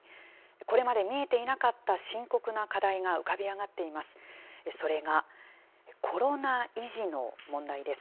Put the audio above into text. これまで見えていなかった深刻な課題が浮かび上がっています。